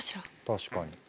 確かに。